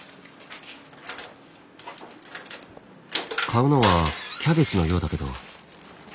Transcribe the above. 買うのはキャベツのようだけど。